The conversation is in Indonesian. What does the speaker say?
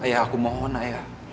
ayah aku mohon ayah